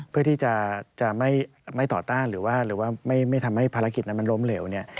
เพื่อที่จะไม่ต่อต้านหรือว่าไม่ทำให้ภารกิจนั้นมันล้มเหลว